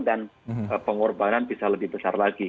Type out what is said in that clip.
dan pengorbanan bisa lebih besar lagi